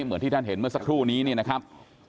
เหมือนที่ท่านเห็นเมื่อสักครู่นี้เนี่ยนะครับ